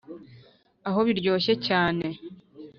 aho biryoshye cyane